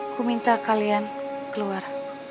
ku minta kalian keluar